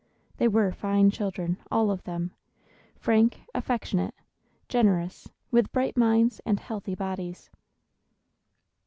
They were fine children, all of them, frank, affectionate, generous, with bright minds and healthy bodies.